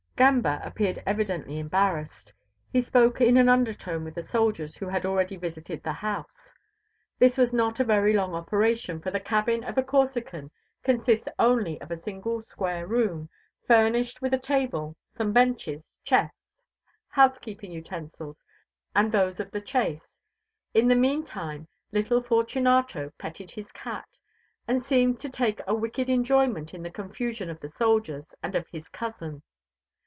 Gamba appeared evidently embarrassed. He spoke in an undertone with the soldiers who had already visited the house. This was not a very long operation, for the cabin of a Corsican consists only of a single square room, furnished with a table, some benches, chests, housekeeping utensils and those of the chase. In the meantime, little Fortunato petted his cat and seemed to take a wicked enjoyment in the confusion of the soldiers and of his cousin.